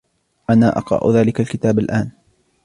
أنا أقرأُ ذلِكَ الكِتابَ الآن